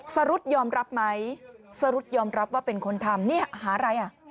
สรุธยอมรับไหมสรุธยอมรับว่าเป็นคนทำเนี่ยหาอะไรอ่ะ